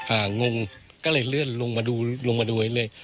งงก็เลยเลื่อนลงมาดูลงมาดูไว้เลย